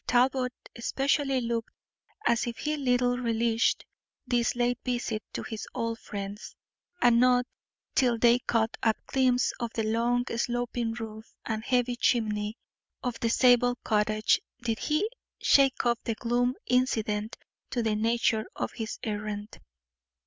Talbot especially looked as if he little relished this late visit to his old friends, and not till they caught a glimpse of the long sloping roof and heavy chimney of the Zabel cottage did he shake off the gloom incident to the nature of his errand.